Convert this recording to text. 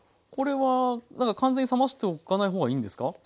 これは完全に冷ましておかない方がいいんですか？